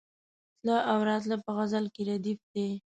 تله او راتله په غزل کې ردیف دی.